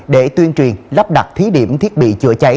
để tuyên truyền lắp đặt thí điểm thiết bị chữa cháy